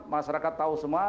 masyarakat tahu semua